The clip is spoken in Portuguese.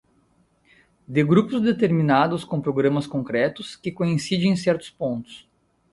de grupos determinados com programas concretos que coincidem em certos pontos